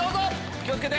気を付けて！